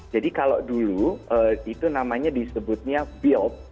jadi kalau dulu itu namanya disebutnya bilp